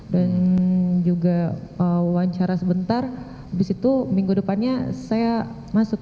dan juga wawancara sebentar habis itu minggu depannya saya masuk